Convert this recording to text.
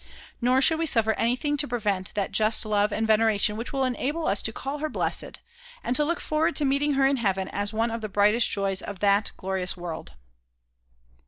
Nor should we suffer anything to prevent that just love and veneration which will enable us to call her Blessed, and to look forward to meeting her in heaven as one of the brightest joys of that glorious world.